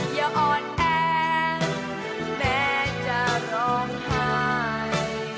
อย่าอ่อนแอแม้จะร้องไห้